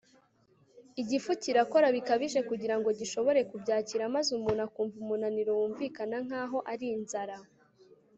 igifu kirakora bikabije kugira ngo gishobore kubyakira, maze umuntu akumva umunaniro wumvikana nk'aho ari inzara